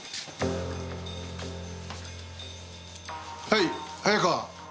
はい早川。